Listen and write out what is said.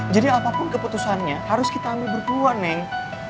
jadi apapun keputusannya harus kita ambil berdua neng